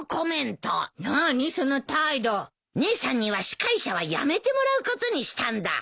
姉さんには司会者はやめてもらうことにしたんだ。